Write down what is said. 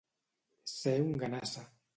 Ser un ganassa.